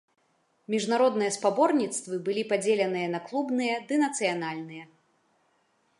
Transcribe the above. Міжнародныя спаборніцтвы былі падзеленыя на клубныя ды нацыянальныя.